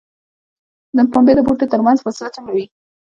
د پنبې د بوټو ترمنځ فاصله څومره وي؟